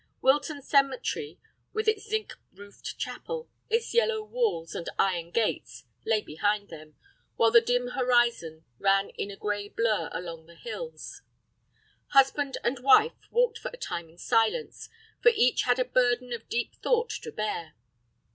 Wilton cemetery, with its zinc roofed chapel, its yellow walls and iron gates, lay behind them, while the dim horizon ran in a gray blur along the hills. Husband and wife walked for a time in silence, for each had a burden of deep thought to bear.